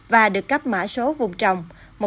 và được cấp mã số vùng trồng